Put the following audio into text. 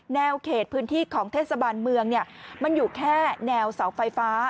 แนวเขตพื้นที่ของเทศบาลเมืองมันอยู่แค่แนวเสาไฟฟ้า